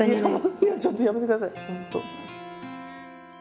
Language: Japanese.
ちょっとやめてください本当。